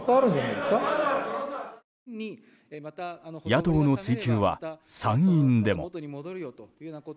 野党の追及は参院でも。